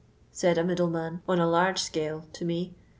said a middle man, on a large scale, to me.